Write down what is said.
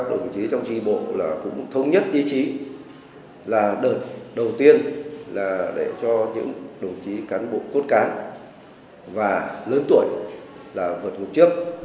đồng chí trong tri bộ cũng thống nhất ý chí là đợt đầu tiên là để cho những đồng chí cán bộ cốt cán và lớn tuổi là vượt ngục trước